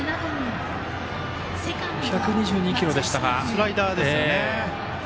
スライダーですよね。